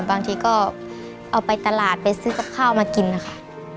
บางทีก็เอาไปตลาดไปซื้อกับข้าวมากินนะคะ